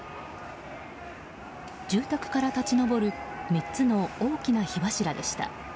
住宅から立ち上る３つの大きな火柱でした。